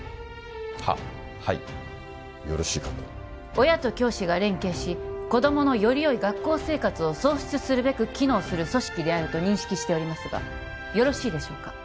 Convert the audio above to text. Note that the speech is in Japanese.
はっはいよろしいかと親と教師が連携し子供のよりよい学校生活を創出するべく機能する組織であると認識しておりますがよろしいでしょうか？